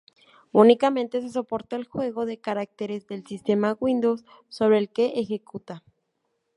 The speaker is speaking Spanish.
Únicamente se soporta el juego de caracteres del sistema Windows sobre el que ejecuta.